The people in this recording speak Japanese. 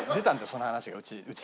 その話がうち。